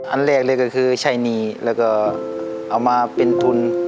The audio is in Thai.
อันแรกเลยก็คือใช้หนี้แล้วก็เอามาเป็นทุน